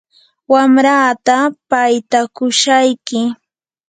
wamrataa paytakushayki.